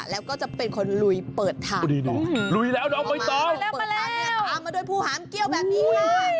แล้วก็จะเป็นคนลุยเปิดทางมาด้วยผู้หามเกี่ยวแบบนี้